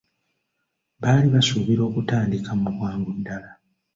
Baali basuubira okutandika mu bwangu ddala.